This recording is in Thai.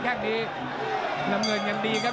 แข้งนี้ที่ทำเงินหนึ่งกันดีครับ